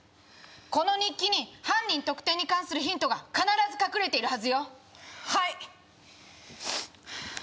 この日記に犯人特定に関するヒントが必ず隠れているはずよはい！